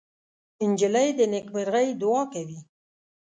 نجلۍ د نیکمرغۍ دعا کوي.